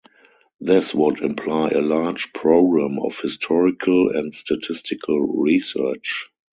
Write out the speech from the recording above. This would imply a large program of historical and statistical research.